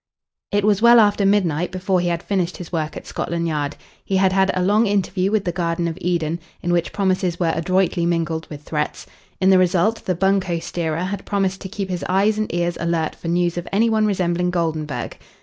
It was well after midnight before he had finished his work at Scotland Yard. He had had a long interview with the Garden of Eden, in which promises were adroitly mingled with threats. In the result the "bunco steerer" had promised to keep his eyes and ears alert for news of any one resembling Goldenburg.